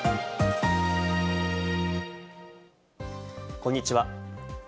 こんにちは。